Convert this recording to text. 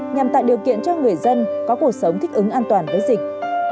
nhằm tạo điều kiện cho người dân có cuộc sống thích ứng an toàn với dịch